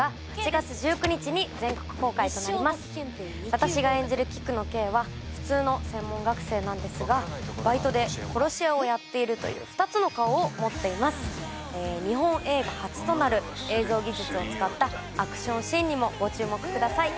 私が演じる菊野ケイは普通の専門学生なんですがバイトで殺し屋をやっているという２つの顔を持っています日本映画初となる映像技術を使ったアクションシーンにもご注目ください